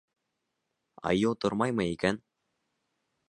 Айыу тормаймы икән.